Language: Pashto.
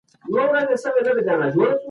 بهرنۍ پالیسي د سیاسي ثبات مخه نه نیسي.